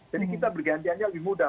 jadi kita bergantiannya lebih mudah